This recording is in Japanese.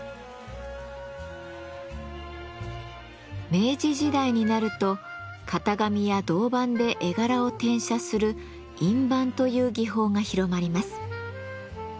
明治時代になると型紙や銅版で絵柄を転写する「印判」という技法が広まります。